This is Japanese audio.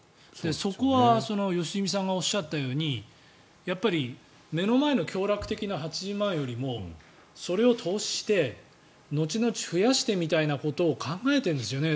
そこは良純さんがおっしゃったように目の前の享楽的な８０万円よりもそれを投資して後々増やしてみたいなことを考えているんですよね。